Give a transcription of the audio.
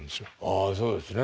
あそうですね。